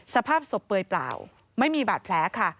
สภาพศพเปลือยเปล่าไม่มีบาดแผลค่ะ